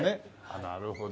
なるほどね。